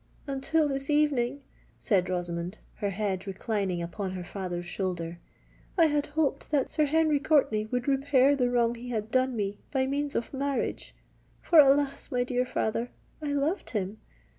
"Until this evening," said Rosamond, her head reclining upon her father's shoulder, "I had hoped that Sir Henry Courtenay would repair the wrong he had done me by means of marriage,—for, alas! my dear father, I loved him!